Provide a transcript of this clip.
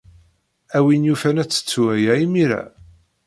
A win yufan ad tettu aya imir-a.